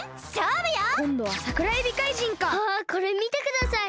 あこれみてください！